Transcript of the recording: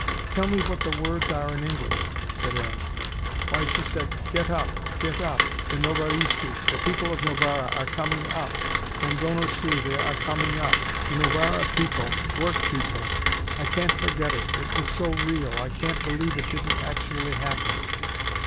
"Tell me what the words are in English," said Aaron. "Why," she said, "get up, get up the Novaresi, the people of Novara are coming up vengono su they are coming up the Novara people work people. I can't forget it. It was so real, I can't believe it didn't actually happen."